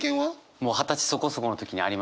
もう二十歳そこそこの時にありますね。